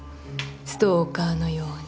ストーカーのように。